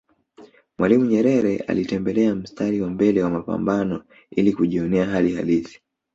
Mwalimu Nyerere alitembelea mstari wa mbele wa mapambano ili kujjionea hali halisi